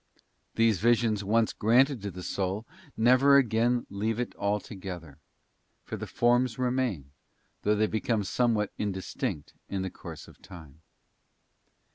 These visions once granted to the soul never again leave it altogether ; for the forms remain, though they become somewhat indistinct in the course of time.